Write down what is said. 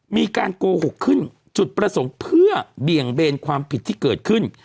มีการโกหกขึ้นจุดประสงค์เพื่อเบี่ยงเบนความผิดที่เกิดขึ้น